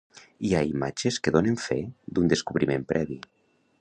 Hi ha imatges que donen fe d'un descobriment previ.